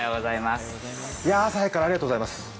朝早くからありがとうございます。